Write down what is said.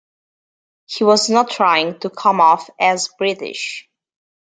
He was not trying to come off as British.